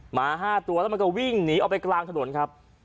หมา๕ตัวแล้วมันก็วิ่งหนีออกไปกลางถนนครับ